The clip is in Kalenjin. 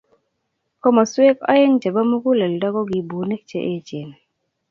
Komoswek oeng chebo muguleldo ko ki bunik che eechen